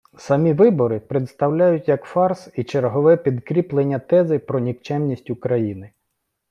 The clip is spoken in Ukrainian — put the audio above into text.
Самі вибори представляють як фарс і чергове підкріплення тези про нікчемність України.